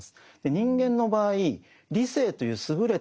人間の場合理性という優れた能力